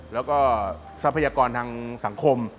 แล้วก็ทรัพยากรทางสังคม